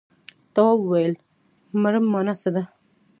تواب وويل: مرم مانا څه ده.